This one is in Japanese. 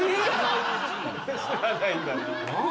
知らないんだな。